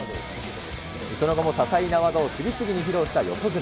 その後も多彩な技を次々に披露した四十住。